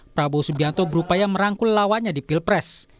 prabowo subianto berupaya merangkul lawannya di pilpres